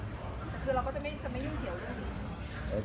แต่คือเราก็จะไม่ยุ่งเกี่ยวเรื่องนี้